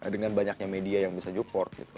dengan banyaknya media yang bisa support gitu